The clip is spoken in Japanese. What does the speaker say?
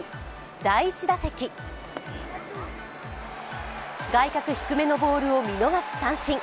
第１打席、外角低めのボールを見逃し三振。